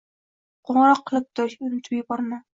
Qoʻngʻiroq qilib tur, unutib yuborma.